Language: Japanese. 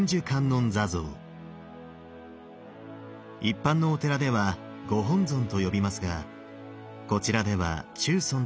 一般のお寺ではご本尊と呼びますがこちらでは中尊と呼ばれます。